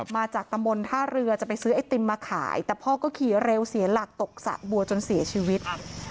มาจากตำบลท่าเรือจะไปซื้อไอติมมาขายแต่พ่อก็ขี่เร็วเสียหลักตกสระบัวจนเสียชีวิต